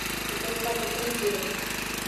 زه تل ستا په څنګ کې یم.